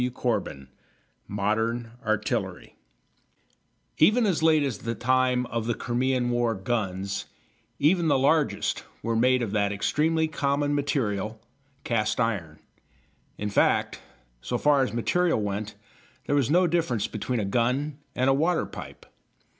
CHAPTER XIX MODERN ARTILLERY Even as late as the time of the Crimean War guns, even the largest, were made of that extremely common material, cast iron. In fact, so far as material went, there was no difference between a gun and a water pipe.